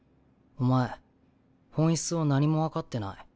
お前本質を何も分かってない。